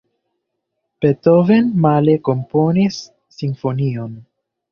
Beethoven male komponis simfonion.